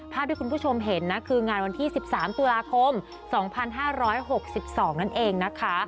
ที่คุณผู้ชมเห็นนะคืองานวันที่๑๓ตุลาคม๒๕๖๒นั่นเองนะคะ